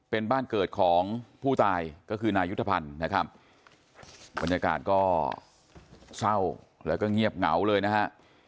เป็นบ้านเกิดของผู้ตายก็คือนายุทธภัณฑ์นะครับบรรยากาศก็เศร้าแล้วก็เงียบเหงาเลยนะฮะ